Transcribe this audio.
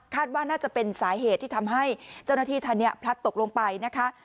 ว่าน่าจะเป็นสาเหตุที่ทำให้เจ้าหน้าที่ท่านนี้พลัดตกลงไปนะคะ